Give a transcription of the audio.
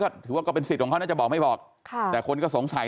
ก็ถือว่าก็เป็นสิทธิ์ของเขาน่าจะบอกไม่บอกค่ะแต่คนก็สงสัย